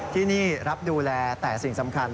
ที่นี่รับดูแลแต่สิ่งสำคัญ